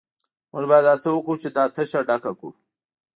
موږ باید هڅه وکړو چې دا تشه ډکه کړو